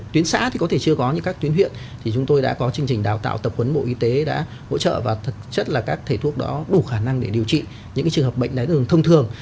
tuyến xã thì có thể chưa có như các tuyến huyện thì chúng tôi đã có chương trình đào tạo tập huấn bộ y tế đã hỗ trợ và thực chất là các thầy thuốc đó đủ khả năng để điều trị những trường hợp bệnh đáy đường thông thường